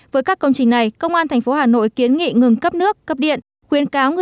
với các công trình này công an tp hà nội kiến nghị ngừng cấp nước cấp điện